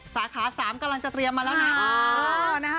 สาขา๓กำลังจะเตรียมมาแล้วนะ